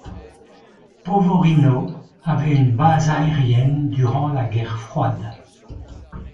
Povorino avait une base aérienne durant la guerre froide.